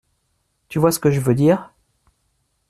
Tu vois ce que je veux dire ?